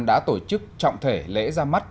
đã tổ chức trọng thể lễ ra mắt